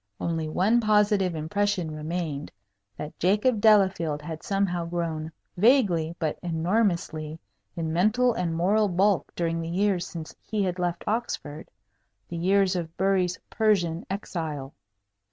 Only one positive impression remained that Jacob Delafield had somehow grown, vaguely but enormously, in mental and moral bulk during the years since he had left Oxford the years of Bury's Persian exile.